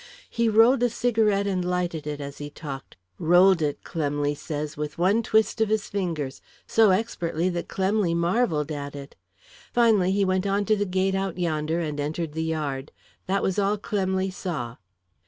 He rolled a cigarette and lighted it as he talked rolled it, Clemley says, with one twist of his fingers, so expertly that Clemley marvelled at it. Finally he went on to the gate out yonder, and entered the yard. That was all Clemley saw."